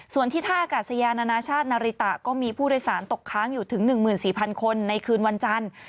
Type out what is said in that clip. ส่วนที่ท่าอากาศยานานาชาตินาริตะก็มีผู้โดยสารตกค้างอยู่ถึง๑๔๐๐คนในคืนวันจันทร์